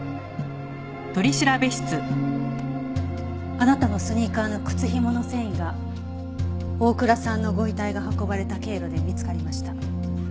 あなたのスニーカーの靴ひもの繊維が大倉さんのご遺体が運ばれた経路で見つかりました。